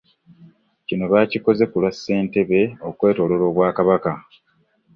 Kino baakikoze ku lwa Ssentebe okwetoolola obwakabaka.